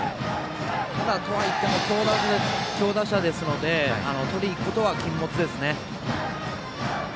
ただとはいっても強打者ですのでとりにいくことは禁物ですね。